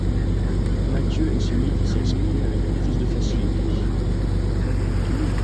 Mathieu est celui qui s'exprime avec le plus de facilité.